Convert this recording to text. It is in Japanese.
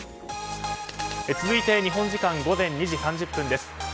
続いて、日本時間午前２時３０分です。